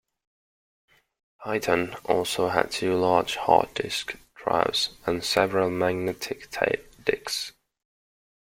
Titan also had two large hard-disk drives and several magnetic tape decks.